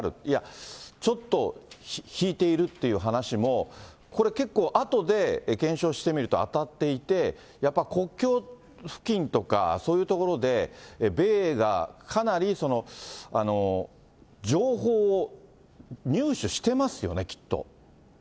いや、ちょっと引いているっていう話も、これ、結構あとで検証してみると当たっていて、やっぱり国境付近とか、そういう所で、米英がかなり情報を入手してますよね、きっと。